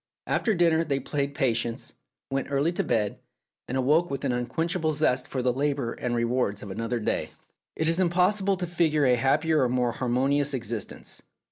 After dinner they played patience, went early to bed, and awoke 290 Philip's Safety Razor with an unquenchable zest for the labour and rewards of another day. It is impossible to figure a happier or a more har monious existence.